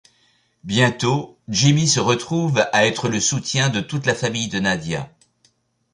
Bientôt, Jimmy se retrouve à être le soutien de toute la famille de Nadia.